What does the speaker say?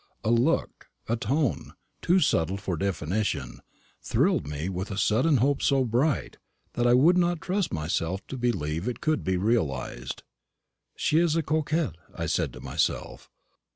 A look, a tone too subtle for definition thrilled me with a sudden hope so bright, that I would not trust myself to believe it could be realised. "She is a coquette," I said to myself.